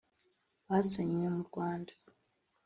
bazanywe mu Rwanda